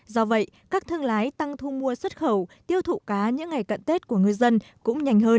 do vậy các thương lái tăng thu mua xuất khẩu tiêu thụ cá những ngày cận tết của người dân cũng nhanh hơn